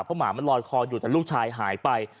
เพราะหมามันลอยคออยู่แต่ลูกชายหายไป